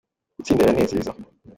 Gutsinda biranezeza.